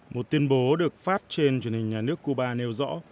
một tuyên bố được phát trên truyền hình nhà nước cuba nêu rõ